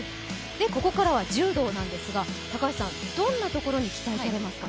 ここからは柔道なんですがどんなところに期待されますか。